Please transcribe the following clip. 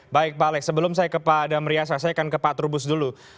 baik pak alex sebelum saya kepada meriasa saya akan ke pak trubus dulu